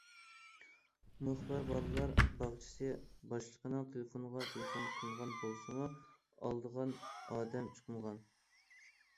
مۇخبىر بالىلار باغچىسى باشلىقىنىڭ تېلېفونىغا تېلېفون قىلغان بولسىمۇ، ئالىدىغان ئادەم چىقمىغان.